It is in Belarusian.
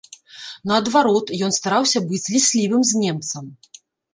Наадварот, ён стараўся быць ліслівым з немцам.